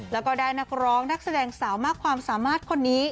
แล้วก็ได้นักร้องนักแสดงสาวมากความสามารถคนนี้